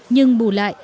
nhưng bù lại